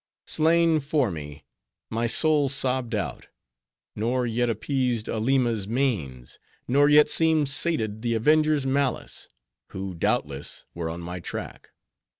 Slain for me! my soul sobbed out. Nor yet appeased Aleema's manes; nor yet seemed sated the avengers' malice; who, doubtless, were on my track.